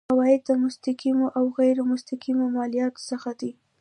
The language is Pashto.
عواید د مستقیمو او غیر مستقیمو مالیاتو څخه دي.